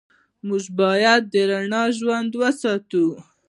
موږ باید دا رڼا ژوندۍ وساتو.